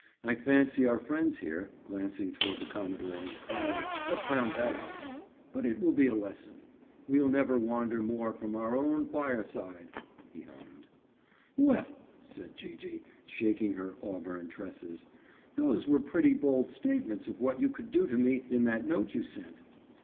I fancy our friends here," glancing toward the commodore and Clarence, "have found that out. But it will be a lesson. 'We'll never wander more from our own fireside,'" he hummed. "Well," said Gee gee, shaking her auburn tresses, "those were pretty bold statements of what you could do to me, in that note you sent."